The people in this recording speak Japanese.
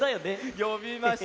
よびました